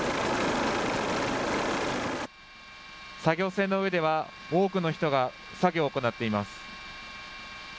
作業船の上では多くの人が作業を行っています。